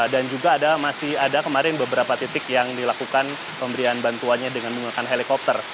dan juga masih ada kemarin beberapa titik yang dilakukan pemberian bantuannya dengan menggunakan helikopter